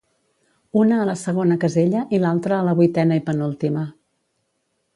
Una a la segona casella i l'altra a la vuitena i penúltima.